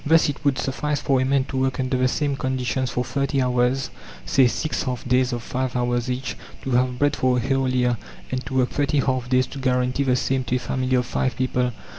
Thus it would suffice for a man to work under the same conditions for 30 hours, say 6 half days of five hours each, to have bread for a whole year; and to work 30 half days to guarantee the same to a family of 5 people.